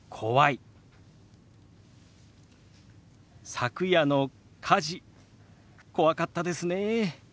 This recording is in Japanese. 「昨夜の火事怖かったですね」。